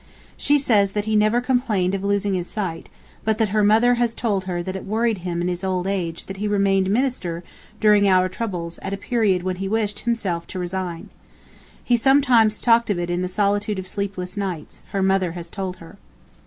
She says that he never complained of losing his sight, but that her mother has told her that it worried him in his old age that he remained Minister during our troubles at a period when he wished, himself, to resign. He sometimes talked of it in the solitude of sleepless nights, her mother has told her.